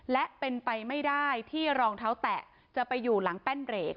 และเป็นไปไม่ได้ที่รองเท้าแตะจะไปอยู่หลังแป้นเรก